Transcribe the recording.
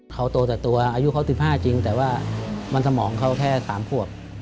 เขาโตแต่ตัวอายุเขา๑๕จริงแต่ว่ามันสมองเขาแค่๓ขวบ